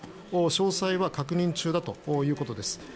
詳細は確認中だということです。